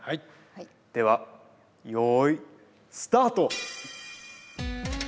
では用意スタート！